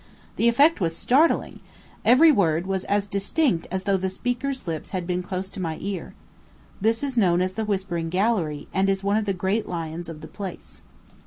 The effect was startling; every word was as distinct as though the speaker's lips had been close to my ear. This is known as the Whispering Gallery, and is one of the great lions of the place.